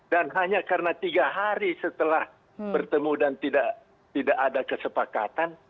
dan hanya karena tiga hari setelah bertemu dan tidak ada kesepakatan